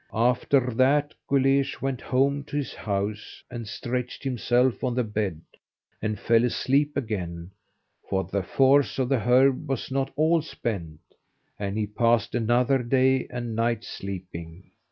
After that Guleesh went home to his house, and stretched himself on the bed and fell asleep again, for the force of the herb was not all spent, and he passed another day and a night sleeping.